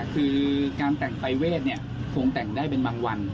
คือการแต่งปรายเวทคงแต่งได้เป็นบางวัน